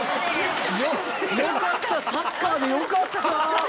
よかった。